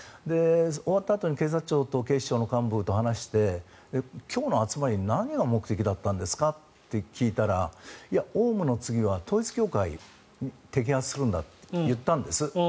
終わったあとに警察庁と警視庁の幹部と話して今日の集まり何が目的だったんですか？って聞いたらオウムの次は統一教会を摘発するんだって言ったんです。